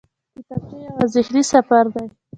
کتابچه یو ذهني سفر دی